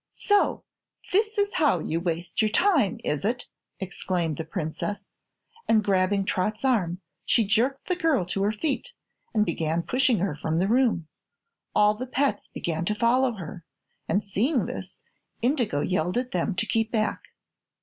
"So, this is how you waste your time, is it?" exclaimed the Princess, and grabbing Trot's arm she jerked the girl to her feet and began pushing her from the room. All the pets began to follow her, and seeing this, Indigo yelled at them to keep back.